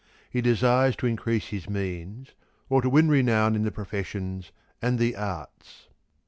He desires to increase his means or to win renown in the professions and the arts.